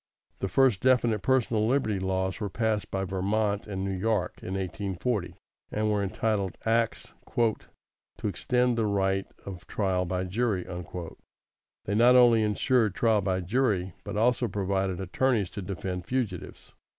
The first definite personal liberty laws were passed by Vermont and New York, in 1840, and were entitled Acts "to extend the right of trial by jury." They not only insured jury trial, but also provided attorneys to defend fugitives.